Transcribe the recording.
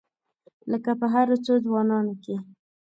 لکه په هرو څو ځوانانو کې.